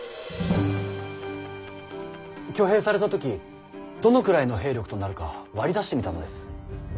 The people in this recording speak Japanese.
挙兵された時どのくらいの兵力となるか割り出してみたのです。